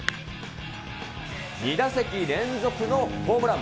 ２打席連続のホームラン。